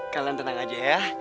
kalian tenang aja ya